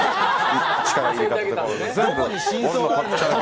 力の入れ方とか。